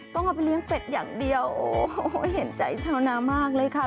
ต้องเอาไปเลี้ยงเป็ดอย่างเดียวโอ้โหเห็นใจชาวนามากเลยค่ะ